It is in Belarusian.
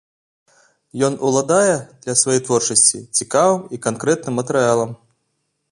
Ён уладае для свае творчасці цікавым і канкрэтным матэрыялам.